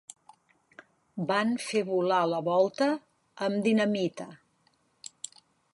Van fer volar la volta amb dinamita.